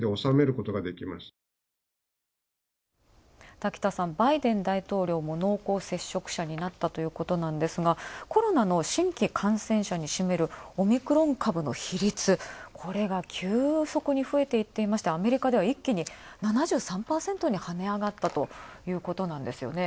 滝田さん、バイデン大統領も濃厚接触者になったということなんですがコロナの新規感染者に占める、オミクロン株の比率、これが急速に増えていってまして、アメリカでは一気に７３％に跳ね上がったということなんですよね